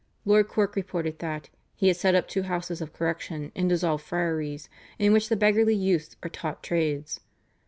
Lord Cork reported that "he had set up two houses of correction in dissolved friaries, in which the beggarly youths are taught trades."